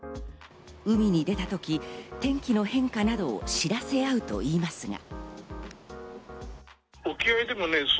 海に出たとき天気の変化などを知らせあうといいますが。